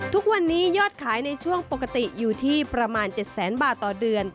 ทุกวันนี้ยอดขายในช่วงปกติอยู่ที่ประมาณ๗แสนบาทต่อเดือน